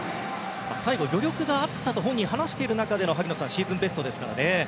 最後、余力があったと本人話している中での萩野さんシーズンベストですからね。